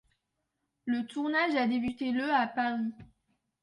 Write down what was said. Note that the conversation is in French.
Le tournage a débuté le à Paris.